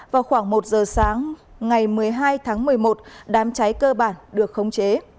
vào khoảng một giờ sáng ngày một mươi hai tháng một mươi một đám cháy cơ bản được khống chế